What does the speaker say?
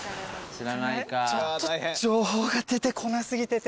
ちょっと情報が出てこな過ぎてて。